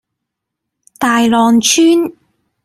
大浪村